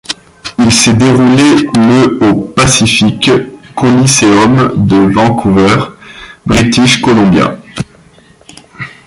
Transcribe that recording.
Il s'est déroulé le au Pacific Coliseum de Vancouver, British Columbia.